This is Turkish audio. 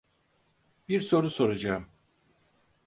Bir soru soracağım.